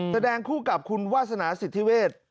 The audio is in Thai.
แสดงคู่กับคุณวาสนาสิทธิเวศ